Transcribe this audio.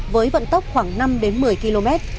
với vận tốc khoảng năm mươi km